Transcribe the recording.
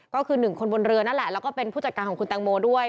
ก็คือหนึ่งคนบนเรือนั่นแหละแล้วก็เป็นผู้จัดการของคุณแตงโมด้วย